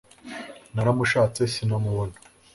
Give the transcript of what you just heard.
naramushatse sinamubona